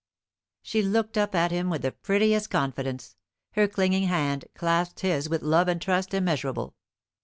She looked up at him with the prettiest confidence; her clinging hand clasped his with love and trust immeasurable.